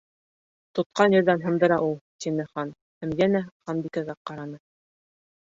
—Тотҡан ерҙән һындыра ул..., —тине Хан һәм йәнә Ханбикәгә ҡараны.